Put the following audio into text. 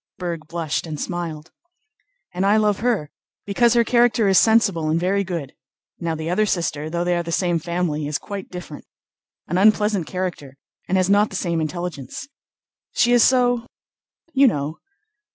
Berg blushed and smiled. "And I love her, because her character is sensible and very good. Now the other sister, though they are the same family, is quite different—an unpleasant character and has not the same intelligence. She is so... you know?...